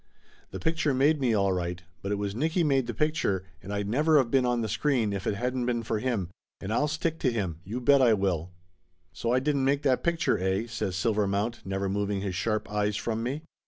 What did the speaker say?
The picture made me, all right, but it was Nicky made the picture and I'd never of been on the screen if it hadn't been for him, and I'll stick to him, you bet I will !" "So I didn't make that picture eh?" says Silver mount, never moving his sharp eyes from me.